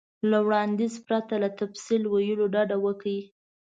له وړاندیز پرته له تفصیل ویلو ډډه وکړئ.